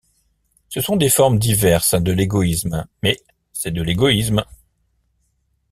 Ce sont des formes diverses de l’égoïsme, mais c’est de l’égoïsme!